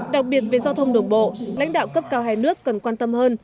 đặc biệt về giao thông đường bộ lãnh đạo cấp cao hai nước cần quan tâm hơn